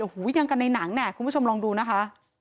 โอ้โหยังกันในหนังเนี่ยคุณผู้ชมลองดูนะคะ